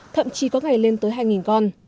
thậm chí có ngày lên tới hai con